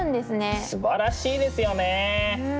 すばらしいですよね。